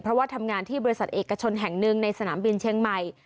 เพราะว่าทำงานที่บริษัทเอกชนแห่งหนึ่งในสนามบินเชียงใหม่